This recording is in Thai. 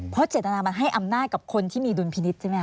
เพราะเจตนามันให้อำนาจกับคนที่มีดุลพินิษฐ์ใช่ไหมค